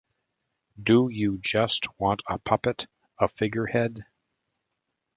Do you just want a puppet, a figurehead?